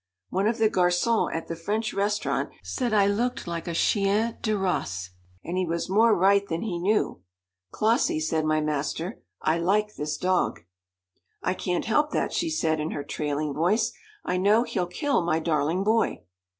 One of the garçons at the French restaurant said I looked like a chien de race and he was more right than he knew. "Clossie," said my master, "I like this dog." "I can't help that," she said in her trailing voice. "I know he'll kill my darling boy."